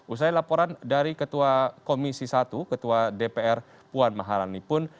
usai laporan dari ketua komisi satu ketua dpr puan maharani pun